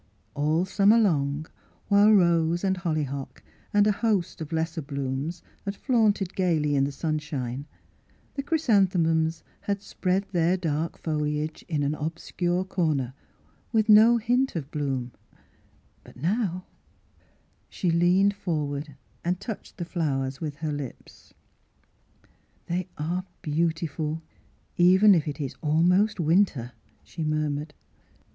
All summer long, while rose and hollyhock and a host of lesser blooms had flaunted gaily in the sunshine, the chrysan themums had spread their dark foliage in: an obscure corner, with no hint of bloom ; but now — She leaned forward and touched the flowers with her lips. " They are beautiful, even if it is al most winter," she murmured.